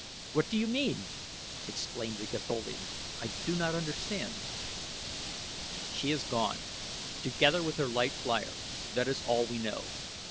What do you mean?" exclaimed the Gatholian. "I do not understand." "She is gone, together with her light flier. That is all we know.